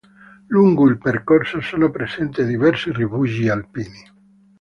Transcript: Lungo il percorso sono presenti diversi rifugi alpini.